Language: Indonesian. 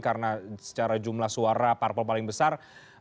karena secara jumlah suara parpol paling besar